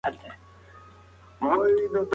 کمپيوټر شعر ليکي.